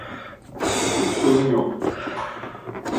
Hiç sorun yok.